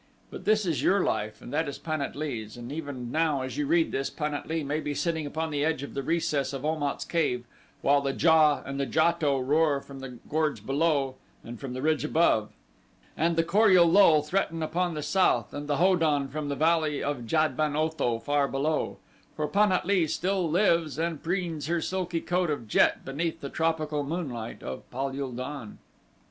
But this is your life and that is Pan at lee's and even now as you read this Pan at lee may be sitting upon the edge of the recess of Om at's cave while the JA and JATO roar from the gorge below and from the ridge above, and the Kor ul lul threaten upon the south and the Ho don from the Valley of Jad ben Otho far below, for Pan at lee still lives and preens her silky coat of jet beneath the tropical moonlight of Pal ul don.